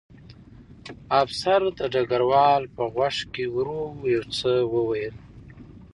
افسر د ډګروال په غوږ کې ورو یو څه وویل